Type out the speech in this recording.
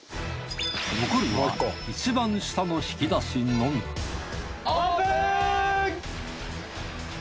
残るはいちばん下の引き出しのみオープン！